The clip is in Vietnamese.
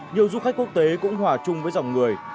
nhiều du khách quốc tế cũng hòa chung với dòng người